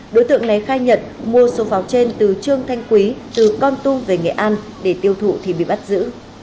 đối tượng này khai nhận mua số pháo trên từ trương thanh quý từ con tum về nghệ an để tiêu thụ thì bị bắt giữ